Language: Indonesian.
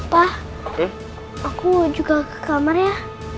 pak aku juga ke kamar ya